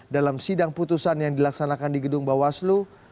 dalam sidang putusan yang dilaksanakan di gedung bawaslu